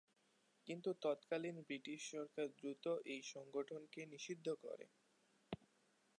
কিন্তু তৎকালীন ব্রিটিশ সরকার দ্রুত এই সংগঠনকে নিষিদ্ধ করে।